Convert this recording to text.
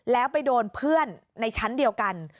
แล้วไปโดนเพื่อนในชั้นเดียวกัน